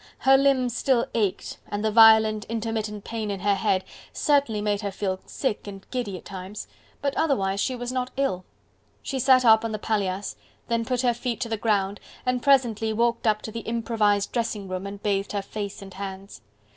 Her limbs still ached and the violent, intermittent pain in her head certainly made her feel sick and giddy at times, but otherwise she was not ill. She sat up on the paillasse, then put her feet to the ground and presently walked up to the improvised dressing room and bathed her face and hands.